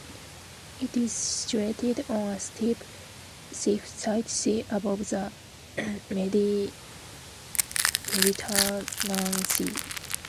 It is situated on a steep cliff site c. above the Mediterranean sea.